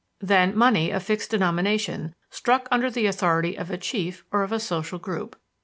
Then, money of fixed denomination, struck under the authority of a chief or of a social group.